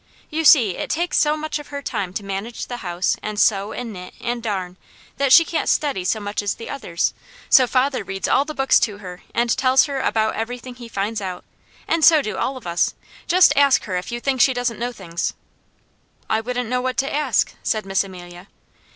You see, it takes so much of her time to manage the house, and sew, and knit, and darn, that she can't study so much as the others; so father reads all the books to her, and tells her about everything he finds out, and so do all of us. Just ask her if you think she doesn't know things." "I wouldn't know what to ask," said Miss Amelia.